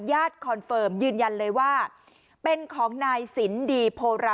คอนเฟิร์มยืนยันเลยว่าเป็นของนายสินดีโพรา